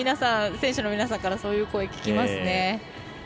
選手の皆さんからそういう声、聞きますね。